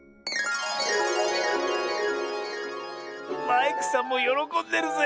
マイクさんもよろこんでるぜ。